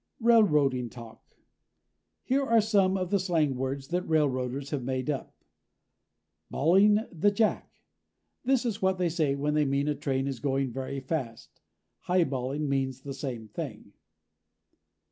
RAILROADING TALK Here are more of the slang words that railroaders have made up: BALLING THE JACK this is what they say when they mean a train is going very fast. Highballing means the same thing.